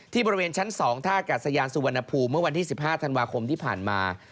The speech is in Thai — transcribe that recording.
บริเวณชั้น๒ท่ากัดสยานสุวรรณภูมิเมื่อวันที่๑๕ธันวาคมที่ผ่านมา